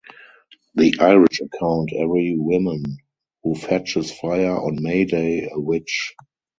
The Irish account every woman who fetches fire on May Day a witch.